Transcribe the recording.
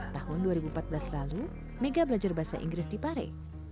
tahun dua ribu empat belas lalu mega belajar bahasa inggris di pare